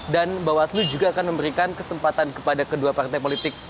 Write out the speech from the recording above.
dan bawaslu juga akan memberikan kesempatan kepada kedua partai politik